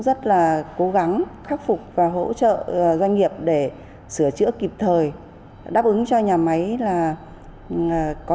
rất là cố gắng khắc phục và hỗ trợ doanh nghiệp để sửa chữa kịp thời đáp ứng cho nhà máy là có